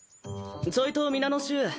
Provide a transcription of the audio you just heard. ちょいと皆の衆